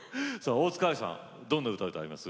大塚愛さんどんな歌歌います？